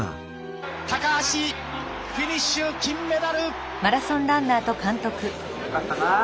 高橋フィニッシュ金メダル。